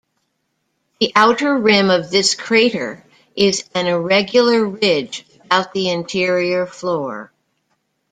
The outer rim of this crater is an irregular ridge about the interior floor.